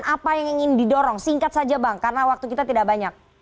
apa yang ingin didorong singkat saja bang karena waktu kita tidak banyak